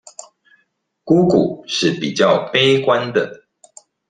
姑姑是比較悲觀的